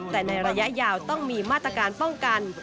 แต่ในระยะยาวต้องมีมาตรการป้องกัน